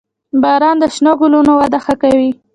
• باران د شنو ګلونو وده ښه کوي.